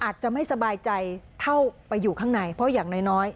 อาจจะไม่สบายใจเท่าไปอยู่ข้างในเพราะอย่างน้อย